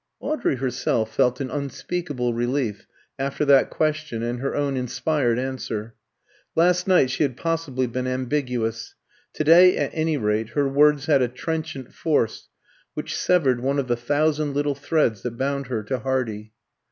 Audrey herself felt an unspeakable relief after that question and her own inspired answer. Last night she had possibly been ambiguous; to day, at any rate, her words had a trenchant force which severed one of the thousand little threads that bound her to Hardy.